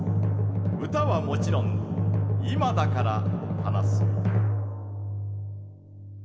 歌はもちろん「今だから話そう」。